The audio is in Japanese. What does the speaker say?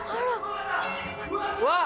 ・・うわっ！